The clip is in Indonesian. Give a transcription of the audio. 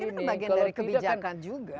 tapi kan itu bagian dari kebijakan juga